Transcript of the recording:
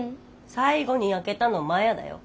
最後に開けたのマヤだよ。